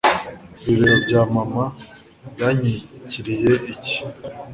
ibibero bya mama byankikiriye iki